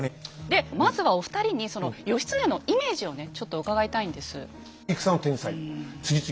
でまずはお二人にその義経のイメージをねちょっと伺いたいんです。